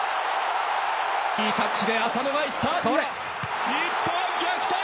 いいタッチで浅野がいった。